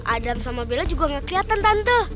adam sama bella juga gak keliatan tante